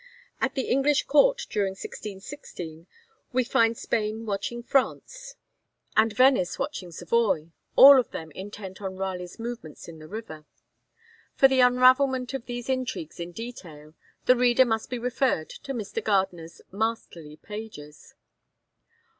At the English Court during 1616 we find Spain watching France, and Venice watching Savoy, all of them intent on Raleigh's movements in the river. For the unravelment of these intrigues in detail, the reader must be referred to Mr. Gardiner's masterly pages.